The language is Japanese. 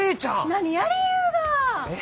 何やりゆうが！？え？